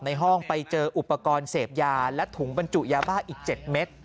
ในห้องไปเจออุปกรณ์เสพยาและถุงบรรจุยาบ้าอีก๗เม็ด